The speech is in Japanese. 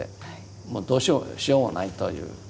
もうどうしようもないという。